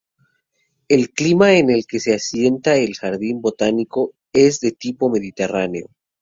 El clima en el que se asienta el jardín botánico es de tipo mediterráneo.